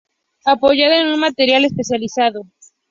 Apoyada en un material especializado.